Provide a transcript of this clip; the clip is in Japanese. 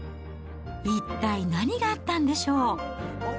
一体何があったんでしょう。